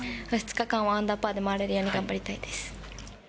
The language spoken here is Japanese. ２日間はアンダーパーで回れるように頑張りたいです。